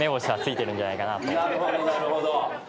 なるほどなるほど。